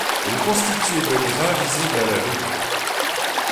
Elle est constituée de grains visibles à la loupe.